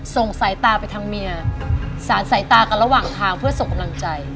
ส่งสายตาไปทางเมียสารสายตากันระหว่างทางเพื่อส่งกำลังใจ